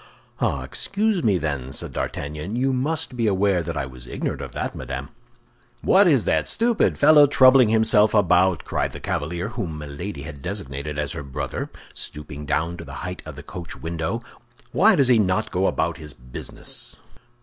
"Ah, excuse me, then," said D'Artagnan. "You must be aware that I was ignorant of that, madame." "What is that stupid fellow troubling himself about?" cried the cavalier whom Milady had designated as her brother, stooping down to the height of the coach window. "Why does not he go about his business?"